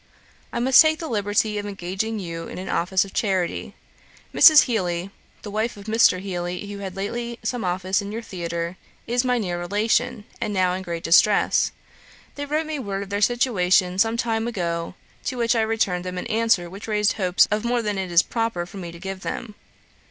'I must take the liberty of engaging you in an office of charity. Mrs. Heely, the wife of Mr. Heely, who had lately some office in your theatre, is my near relation, and now in great distress. They wrote me word of their situation some time ago, to which I returned them an answer which raised hopes of more than it is proper for me to give them.